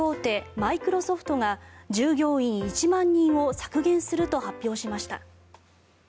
マイクロソフトが従業員１万人を削減すると発表しました。